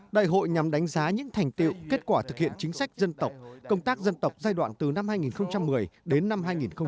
đại hội nhằm đánh giá những thành tiệu kết quả thực hiện chính sách dân tộc công tác dân tộc giai đoạn từ năm hai nghìn một mươi đến năm hai nghìn một mươi tám